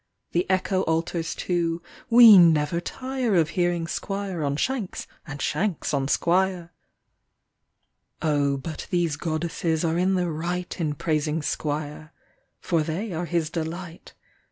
The echo alters to " We never tire Of hearing Squire on Shanks and Shanks on Squire." Oh, but these Goddesses are in the right In praising Squire. For they are his delight.